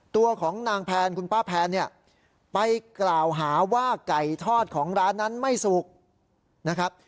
ตัวของนางแพนคุณป้าแพนเนี่ยไปกล่าวหาว่าไก่ทอดของร้านนั้นไม่สุกนะครับ